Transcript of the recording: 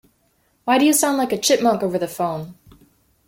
Why do you sound like a chipmunk over the phone?